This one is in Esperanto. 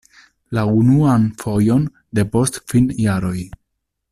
La unuan fojon depost kvin jaroj!